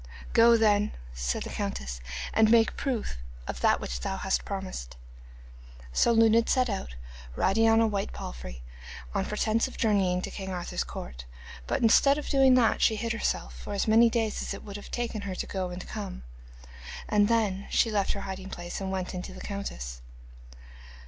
'Go then,' said the countess, 'and make proof of that which thou hast promised.' So Luned set out, riding on a white palfrey, on pretence of journeying to King Arthur's court, but instead of doing that she hid herself for as many days as it would have taken her to go and come, and then she left her hiding place, and went into the countess.